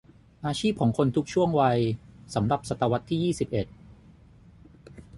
อาชีพของคนทุกช่วงวัยสำหรับศตวรรษที่ยี่สิบเอ็ด